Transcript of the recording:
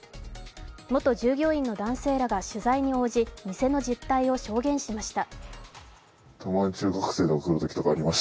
元従業員の男性取材に応じ店の実態を証言しました。